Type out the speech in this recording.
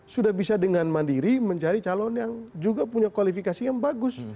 sudah bisa dengan mandiri mencari calon yang juga punya kualifikasi yang bagus